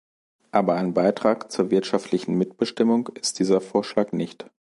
Aber ein Beitrag zur wirtschaftlichen Mitbestimmung ist dieser Vorschlag nicht.